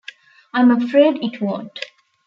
I'm afraid it won't.